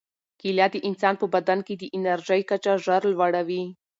کیله د انسان په بدن کې د انرژۍ کچه ژر لوړوي.